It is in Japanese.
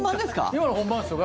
今の本番ですよ。